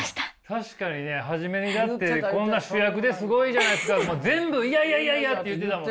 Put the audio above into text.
確かにね初めにだって「こんな主役ですごいじゃないですか」も全部「いやいやいやいや」って言ってたもんね。